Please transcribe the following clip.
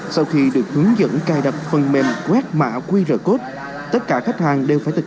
sau khi được hướng dẫn cài đặt phần mềm quét mã qr code tất cả khách hàng đều phải tịch